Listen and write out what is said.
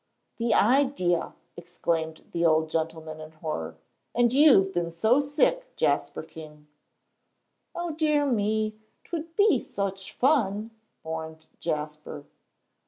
"The idea!" exclaimed the old gentleman, in horror, "and you've been so sick, Jasper King!" "O dear me! 'Twould be such fun," mourned Jasper.